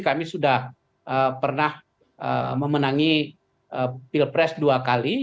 kami sudah pernah memenangi pilpres dua kali